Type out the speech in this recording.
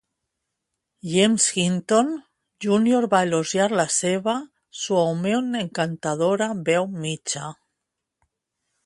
James Hinton, Junior va elogiar la seva "suaument encantadora veu mitja".